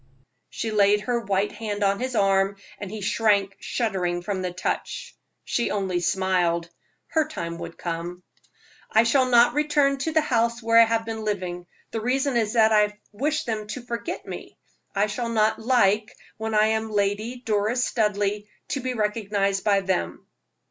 She laid her white hand on his arm, and he shrank shuddering from the touch. She only smiled her time would come. "I shall not return to the house where I have been living. The reason is that I wish them to forget me. I shall not like, when I am Lady Doris Studleigh, to be recognized by them."